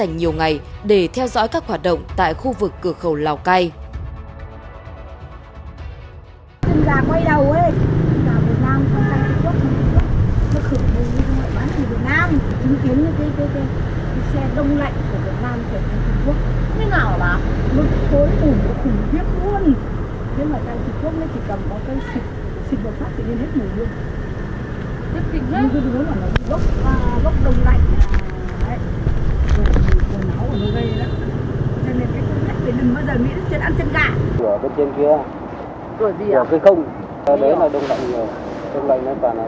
công nó để trong kho có công gần mười mấy hai mươi năm rồi